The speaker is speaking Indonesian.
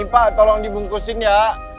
pak tolong dibungkusin ya